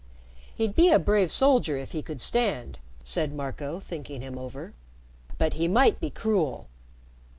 "He'd be a brave soldier if he could stand," said Marco, thinking him over. "But he might be cruel."